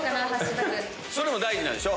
それも大事なんでしょ？